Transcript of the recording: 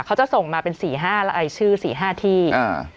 เขาจะส่งมาเป็นสี่ห้ารายชื่อสี่ห้าที่อ่า